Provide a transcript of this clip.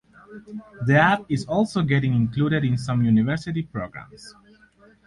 The app is also getting included in some university programs.